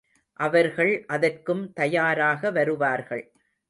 அவர்கள் அதற்கும் தயாராக வருவார்கள்.